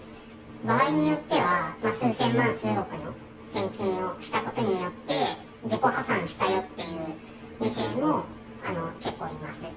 場合によっては、数千万、数億の献金をしたことによって、自己破産したよっていう２世も結構いますね。